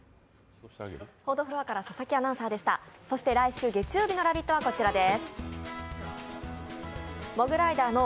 来週月曜日の「ラヴィット！」はこちらです。